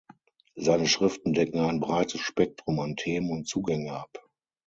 Seine Schriften decken ein breites Spektrum an Themen und Zugänge ab.